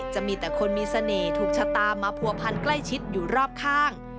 จะมีแต่คนมีเสน่ห์ถูกชะตามาผัวพันใกล้ชิดอยู่รอบข้าง